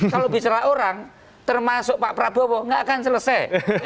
kalau bicara orang termasuk pak prabowo nggak akan selesai